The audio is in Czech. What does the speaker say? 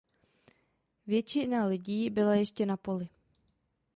Většina lidí byla ještě na poli.